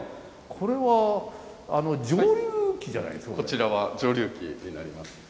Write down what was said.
こちらは蒸留機になります。